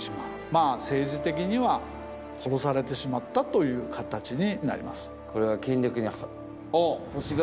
まあ政治的には殺されてしまったという形になります。